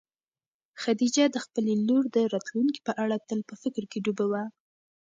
خدیجه د خپلې لور د راتلونکي په اړه تل په فکر کې ډوبه وه.